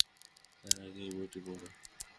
তার আগে এই বইটি পড়।